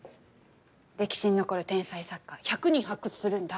歴史に残る天才作家１００人発掘するんだ。